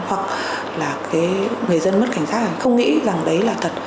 hoặc là người dân mất cảnh giác không nghĩ rằng đấy là thật